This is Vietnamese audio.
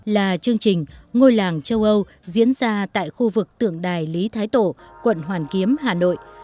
là chương trình ngôi làng châu âu diễn ra tại khu vực tượng đài lý thái tổ quận hoàn kiếm hà nội